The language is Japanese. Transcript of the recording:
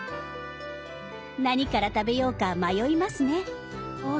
何から食べようか迷いますね。